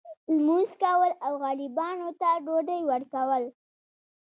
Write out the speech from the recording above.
لمونځ کول او غریبانو ته ډوډۍ ورکول.